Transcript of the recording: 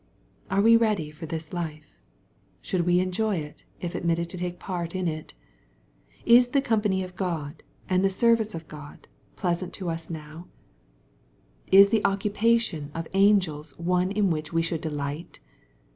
Are we ready for this life ? Should we enjoy it, if admitted to take part in it ? Is the company of God, ftnd the service of God pleasant to us now ? Is the 292 SXPOSITOBY THOUGHTS. occupation of angels one in which we should delight